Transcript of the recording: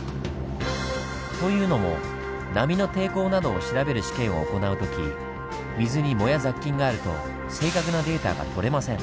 というのも波の抵抗などを調べる試験を行う時水に藻や雑菌があると正確なデータが取れません。